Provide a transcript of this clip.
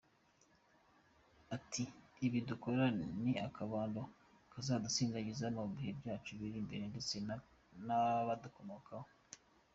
Ati” Ibi dukora ni akabando kazadusindagiza mu bihe byacu biri imbere ndetse n’abadukomokaho”.